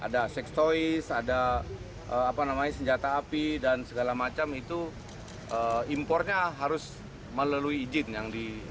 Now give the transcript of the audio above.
dua langkah atau dua lenan